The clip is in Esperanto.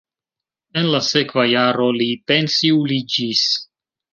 En la sekva jaro li pensiuliĝis.